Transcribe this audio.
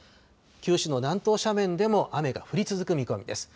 九州の南東斜面でも雨が降り続く見込みです。